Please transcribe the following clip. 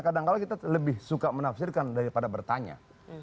kadang kadang kita lebih suka menafsirkan daripada bertanya